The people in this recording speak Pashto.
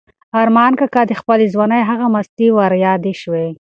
ارمان کاکا ته د خپلې ځوانۍ هغه مستۍ وریادې شوې.